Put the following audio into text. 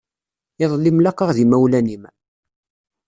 Iḍelli mlaqaɣ d yimawlan-im.